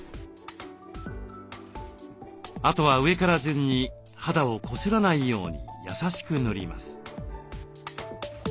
あとは上から順に肌をこすらないように優しく塗ります。